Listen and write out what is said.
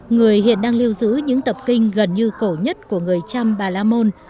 người hiện đang lưu giữ những tập kinh gần như cổ nhất của người trăm bà la môn